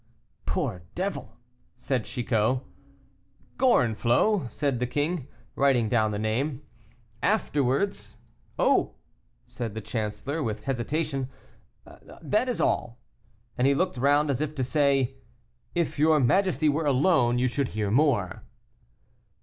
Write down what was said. "Poor devil!" said Chicot. "Gorenflot?" said the king, writing down the name; "afterwards " "Oh!" said the chancellor, with hesitation, "that is all." And he looked round as if to say, "If your majesty were alone, you should hear more."